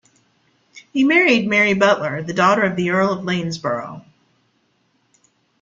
He married Mary Butler, the daughter of the Earl of Lanesborough.